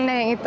nah yang itu